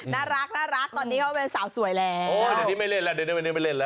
น่ารักตอนนี้เขาเป็นสาวสวยแล้ว